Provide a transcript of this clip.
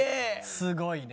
すごいね。